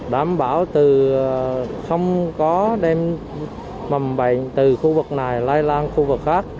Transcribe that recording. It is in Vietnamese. đảm bảo không có đem mầm bệnh từ khu vực này lai lan khu vực khác